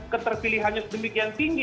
keterpilihannya sedemikian tinggi